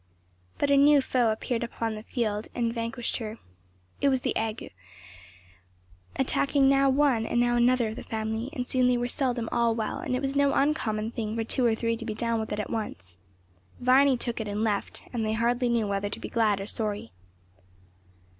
But a new foe appeared upon the field and vanquished her. It was the ague, attacking now one, and now another of the family; soon they were seldom all well and it was no uncommon thing for two or three to be down with it at once. Viny took it and left, and they hardly knew whether to be glad or sorry.